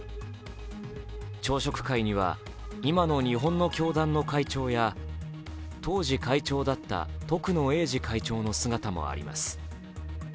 朝食会には今の日本の教団の会長や当時会長だった徳野英治会長の姿もあります。